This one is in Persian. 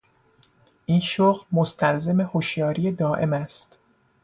این شغل مستلزم هشیاری دایم است.